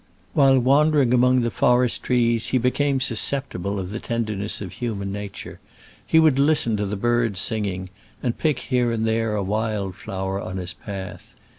While wandering among the forest trees, he became susceptible of the tenderness of human nature: he would listen to the birds singing, and pick here and there a wild flower on his path.